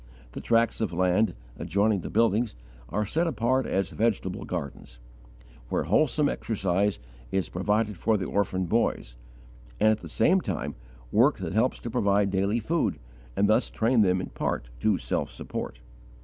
The tracts of land, adjoining the buildings, are set apart as vegetable gardens, where wholesome exercise is provided for the orphan boys, and, at the same time, work that helps to provide daily food, and thus train them in part to self support.